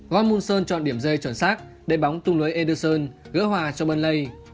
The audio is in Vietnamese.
gormunson chọn điểm dây chuẩn sát để bóng tung lưới ederson gỡ hòa cho burnley